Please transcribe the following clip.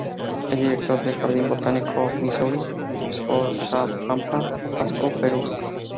Es director del "Jardín Botánico Missouri", Oxapampa, Pasco, Perú.